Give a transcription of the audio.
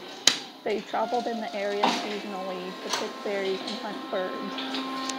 They traveled in the area seasonally to pick berries and hunt birds.